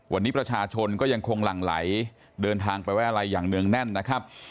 วันนี้ประชาชนก็ยังคงหลั่งไหลเดินทางไปไว้อะไรอย่างเนื่องแน่นนะครับ